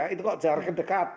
itu kalau jarak dekat